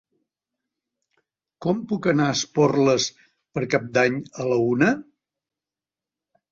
Com puc anar a Esporles per Cap d'Any a la una?